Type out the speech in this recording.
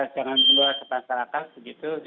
jangan keluar ke masyarakat begitu